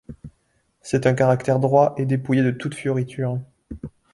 C’est un caractère droit et dépouillé de toutes fioritures.